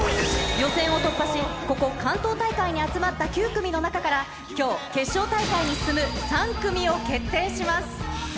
予選を突破し、ここ、関東大会に集まった９組の中から、きょう、決勝大会に進む３組を決定します。